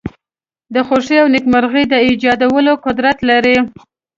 د خوښۍ او نېکمرغی د ایجادولو قدرت لری.